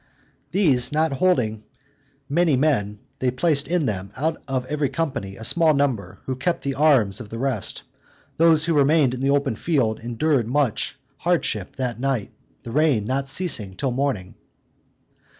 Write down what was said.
These not holding many men, they placed in them, out of every company, a small number, who kept the arms of the rest: those who remained in the open field endured much hardship that night, the rain not ceasing till morning.